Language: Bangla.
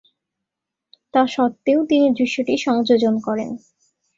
তা সত্ত্বেও তিনি দৃশ্যটি সংযোজন করেন।